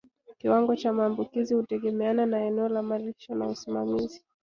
Kiwango cha maambukizi hutegemeana na eneo la malisho na usimamizi